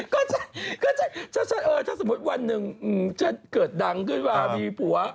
ก็ถ้าสมมติวันหนึ่งเกิดดังขึ้นค่ะผัว